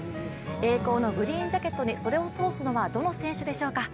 栄光のグリーンジャケットに袖を通すのはどの選手でしょうか。